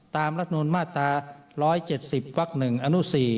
ตามรัฐมนูญมาตร๑๗๐วัก๑อนุ๔